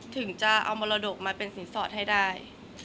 ถึงจะเอามรดกมาเป็นสินสอดให้ได้